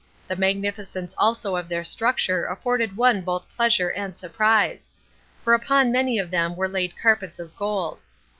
The magnificence also of their structure afforded one both pleasure and surprise; for upon many of them were laid carpets of gold.